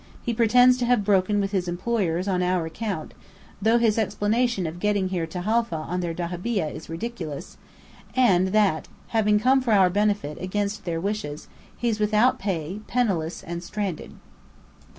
He pretends to have broken with his employers on our account (though his explanation of getting here to Halfa on their dahabeah is ridiculous) and that, having come for our benefit against their wishes, he's without pay, penniless, and stranded."